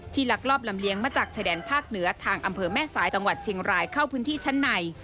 ลักลอบลำเลี้ยมาจากชายแดนภาคเหนือทางอำเภอแม่สายจังหวัดเชียงรายเข้าพื้นที่ชั้นใน